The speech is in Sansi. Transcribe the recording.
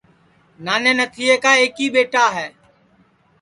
نانے نتھیے کا ایکی ٻیٹا ہے